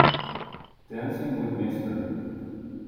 Dancing with Mr.